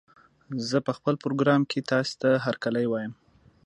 زه په خپل پروګرام کې تاسې ته هرکلی وايم